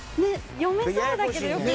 読めそうだけどよく見ると。